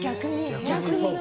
逆に。